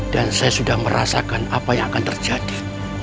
dan saya sudah merasakan apa yang akan terjadi